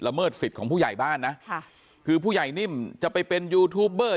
เมิดสิทธิ์ของผู้ใหญ่บ้านนะค่ะคือผู้ใหญ่นิ่มจะไปเป็นยูทูปเบอร์